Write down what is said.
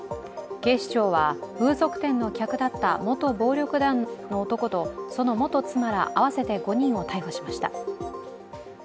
警視庁は風俗店の客だった、元暴力団の男とその元妻ら、合わせて５人を逮捕しました。